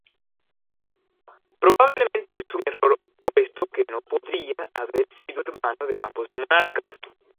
Probablemente es un error puesto que no podría haber sido hermano de ambos monarcas.